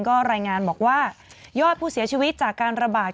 ก็รายงานบอกว่ายอดผู้เสียชีวิตจากการระบาด